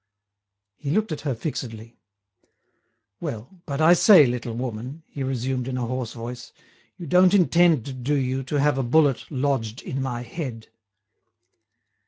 He looked at her fixedly. "Well, but I say, little woman," he resumed in a hoarse voice, "you don't intend, do you, to have a bullet lodged in my head?"